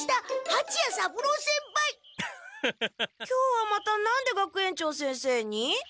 今日はまた何で学園長先生に？